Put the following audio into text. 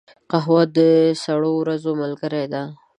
قهوه د سړو ورځو ملګرې ده